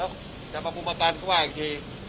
แล้วจะมากลุ่มประกันก็ว่าอีกที